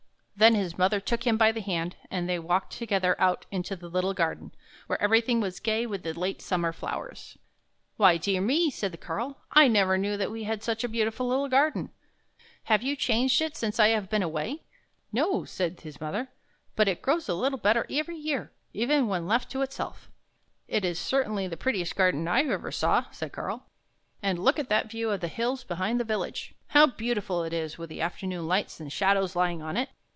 Then his mother took him by the hand, and they walked together out into the little garden, where everything was gay with the late summer flowers. " Why, dear me! " said Karl, " I never knew that we had such a beautiful little garden! Have you changed it any since I have been away? "" No," said his mother, " but it grows a little better every year, even when left to itself." " It is certainly the prettiest garden I ever saw," said Karl. " And look at that view of the hills behind the village! How beautiful it is with the afternoon lights and shadows lying on it!